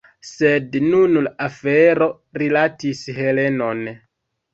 Sed nun la afero rilatis Helenon.